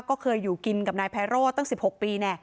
ก็เคยอยู่กินกับนายไพโรธตั้ง๑๖ปี